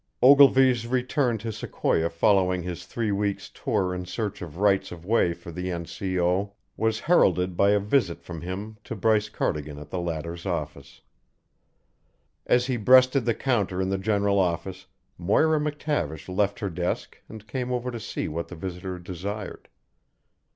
Ogilvy's return to Sequoia following his three weeks tour in search of rights of way for the N. C. O. was heralded by a visit from him to Bryce Cardigan at the latter's office. As he breasted the counter in the general office, Moira McTavish left her desk and came over to see what the visitor desired.